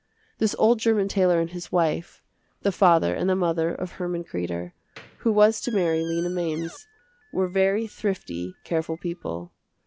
This old german tailor and his wife, the father and the mother of Herman Kreder, who was to marry Lena Mainz, were very thrifty, careful people.